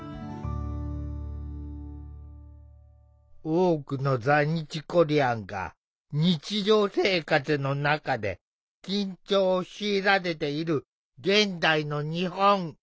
多くの在日コリアンが日常生活の中で緊張を強いられている現代の日本。